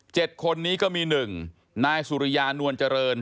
คนนี้ก็มีหนึ่งนายสุริยานวลเจริญ